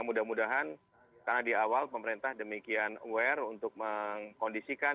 mudah mudahan karena di awal pemerintah demikian aware untuk mengkondisikan